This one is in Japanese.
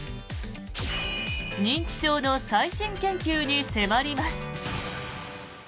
認知症の最新研究に迫ります。